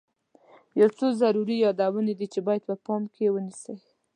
یو څو ضروري یادونې دي چې باید په پام کې ونیسئ.